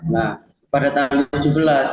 nah pada tanggal tujuh belas